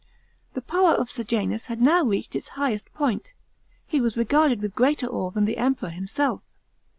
§ 19. The power of Sejanus had now reached its highest point. He was regarded with greater awe than the Emperor himself.